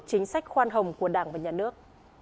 chính sách khoan hồng của đảng và nhà nước